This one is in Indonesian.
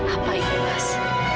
apa itu mas